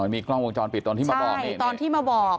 มีกล้องวงจรปิดตอนที่มาบอกนี่ตอนที่มาบอก